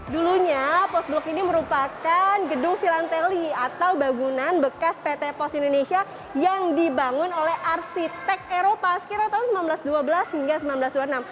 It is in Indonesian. dulunya post blok ini merupakan gedung filanteli atau bangunan bekas pt pos indonesia yang dibangun oleh arsitek eropa sekitar tahun seribu sembilan ratus dua belas hingga seribu sembilan ratus dua puluh enam